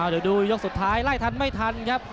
เดี๋ยวดูยกสุดท้ายไล่ทันไม่ทันครับ